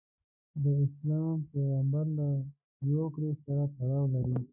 د اسلام پیغمبرله زوکړې سره تړاو لري.